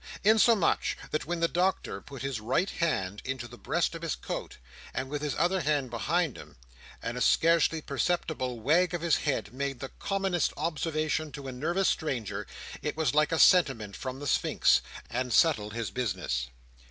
Insomuch, that when the Doctor put his right hand into the breast of his coat, and with his other hand behind him, and a scarcely perceptible wag of his head, made the commonest observation to a nervous stranger, it was like a sentiment from the sphynx, and settled his business.